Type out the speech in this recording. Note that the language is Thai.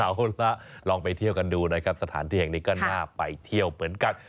เอาล่ะลองไปเที่ยวกันดูนะครับสถานที่แห่งนี้ก็น่าไปเที่ยวเหมือนกัน